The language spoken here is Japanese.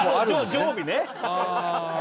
常備ね。